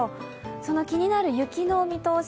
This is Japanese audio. その気になる雪の見通し